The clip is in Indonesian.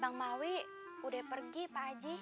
bang mauwi udah pergi pak haji